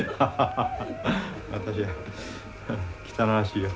私は汚らしいよ。